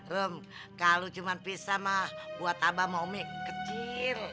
rum kalau cuma pizza mah buat abah sama umi kecil